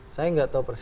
saya gak tahu persis